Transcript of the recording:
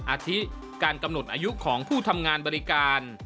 อาทิการกำหนดอายุของผู้ทำงานบริการ